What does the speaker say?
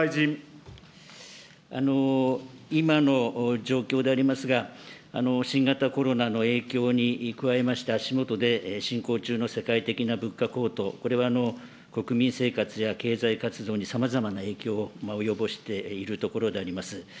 今の状況でありますが、新型コロナの影響に加えまして、足下で進行中の世界的な物価高騰、これは国民生活や経済活動にさまざまな影響を及ぼしているところであります。